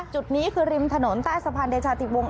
จุดนี้คือริมถนนใต้สะพานเดชาติวงศ